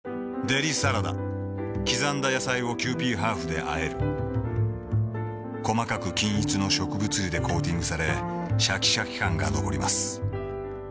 デリサラダ刻んだ野菜をキユーピーハーフであえる細かく均一の植物油でコーティングされシャキシャキ感が残ります